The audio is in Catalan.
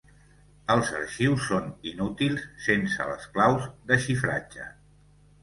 Els arxius són inútils sense les claus de xifratge.